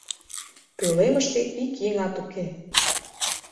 Пӧлемыште ик еҥат уке.